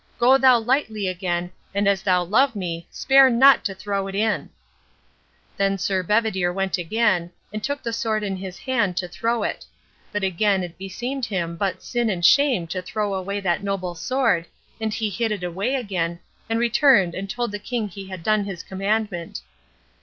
"Go thou lightly again, and as thou love me, spare not to throw it in." Then Sir Bedivere went again, and took the sword in his hand to throw it; but again it beseemed him but sin and shame to throw away that noble sword, and he hid it away again, and returned, and told the king he had done his commandment.